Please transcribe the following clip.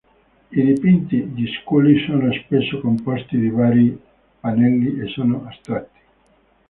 I dipinti di Scully sono spesso composti di vari pannelli e sono astratti.